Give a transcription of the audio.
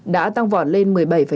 đã tăng vọt lên một mươi bảy tám